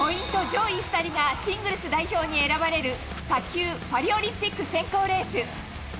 上位２人がシングルス代表に選ばれる、卓球パリオリンピック選考レース。